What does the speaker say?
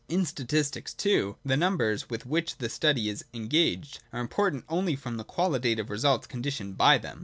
In statistics, too, the numbers with which the study is engaged are im portant only from the qualitative results conditioned by them.